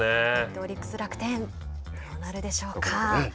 オリックス、楽天、どうなるでしょうか。